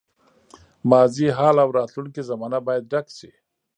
ماضي، حال او راتلونکې زمانه باید ډک شي.